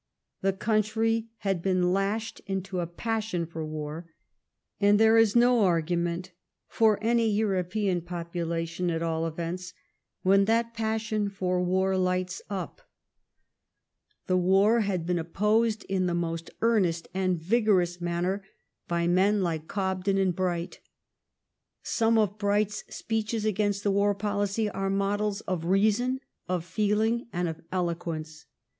The country had been lashed into a passion for war, and there is no argument, for any European population at all events, when that passion for war lights up. The war had 1 82 THE STORY OF GLADSTONE'S LIFE been opposed in the most earnest and vigorous manner by men like Cobden and Bright. Some of Bright's speeches against the war policy are models of reason, of feeling, and of eloquence.